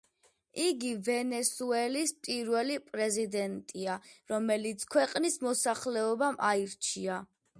იგი ვენესუელის პირველი პრეზიდენტია, რომელიც ქვეყნის მოსახლეობამ აირჩია.